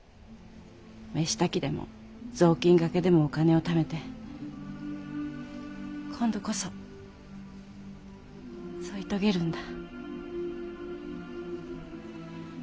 飯炊きでも雑巾がけでもお金をためて今度こそ添い遂げるんだ。